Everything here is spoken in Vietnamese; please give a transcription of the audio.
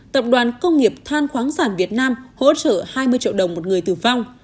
tập đoàn công nghiệp than khoáng sản việt nam hỗ trợ hai mươi triệu đồng một người tử vong